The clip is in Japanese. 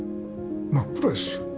真っ黒ですよ。